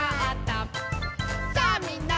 「さあみんな！